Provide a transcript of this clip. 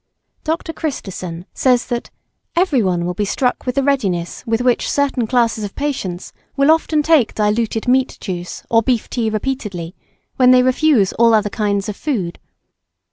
[Sidenote: Beef tea] Dr. Christison says that "every one will be struck with the readiness with which" certain classes of "patients will often take diluted meat juice or beef tea repeatedly, when they refuse all other kinds of food."